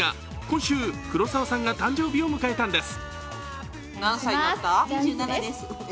今週、黒沢さんが誕生日を迎えたんです。